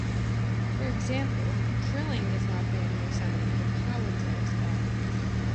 For example, drilling is not banned in Yosemite, but power drills are.